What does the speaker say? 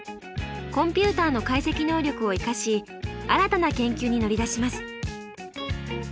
コンピューターの解析能力を生かし新たな研究に乗り出します。